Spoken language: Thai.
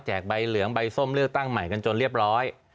ใบเหลืองใบส้มเลือกตั้งใหม่กันจนเรียบร้อย